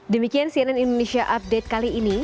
demikian cnn indonesia update kali ini